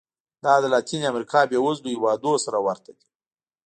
دا د لاتینې امریکا بېوزلو هېوادونو سره ورته دي.